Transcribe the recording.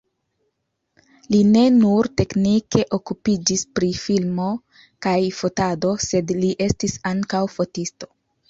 Li ne nur teknike okupiĝis pri filmo kaj fotado, sed li estis ankaŭ fotisto.